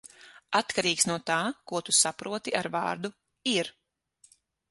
Atkarīgs no tā, ko tu saproti ar vārdu "ir".